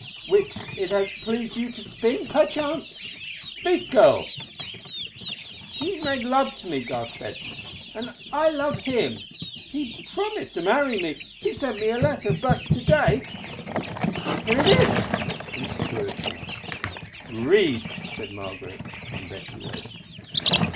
"Which it has pleased you to spin, perchance. Speak, girl!" "He made love to me," gasped Betty; "and I love him. He promised to marry me. He sent me a letter but to day—here it is," and she drew it out. "Read," said Margaret; and Betty read.